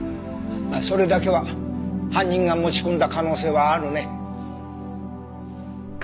それだけは犯人が持ち込んだ可能性はあるね。